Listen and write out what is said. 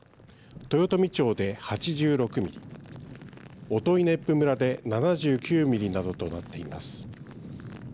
豊富町で８６ミリ音威子府村で７９ミリなどとなっています。